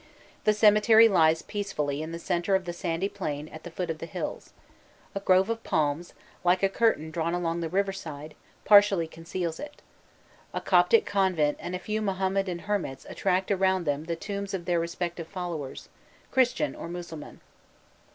The cemetery lies peacefully in the centre of the sandy plain at the foot of the hills; a grove of palms, like a curtain drawn along the river side, partially conceals it; a Coptic convent and a few Mahommedan hermits attract around them the tombs of their respective followers, Christian or Mussulman.